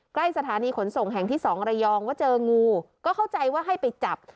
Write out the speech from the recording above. ใกล้สถานีขนส่งแห่งที่สองระยองว่าเจองูก็เข้าใจว่าให้ไปจับ